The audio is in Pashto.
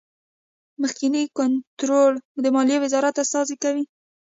مخکینی کنټرول د مالیې وزارت استازی کوي.